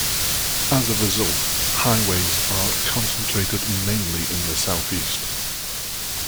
As a result, highways are concentrated mainly in the southeast.